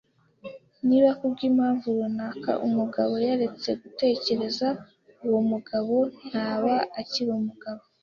Niba kubwimpamvu runaka umugabo yaretse gutekereza, uwo mugabo ntaba akiri umugabo.